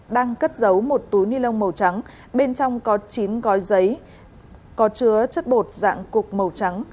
đang cất giấu một túi ni lông màu trắng bên trong có chín gói giấy có chứa chất bột dạng cục màu trắng